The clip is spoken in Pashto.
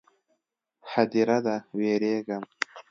_ هديره ده، وېرېږم.